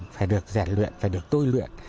phải được rèn luyện phải được tôi luyện